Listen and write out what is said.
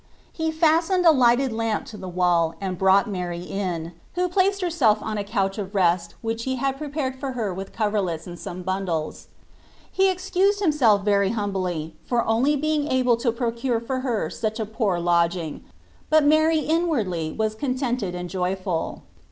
He fastened a lighted lamp to the wall and brought Mary in, who placed herself on a couch of rest which he had prepared for her with coverlets and some bundles. He excused himself very humbly for only being able to pro cure her such a poor lodging, but Mary inwardly was contented and joyful.